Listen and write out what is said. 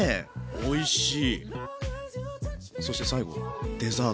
おいしい！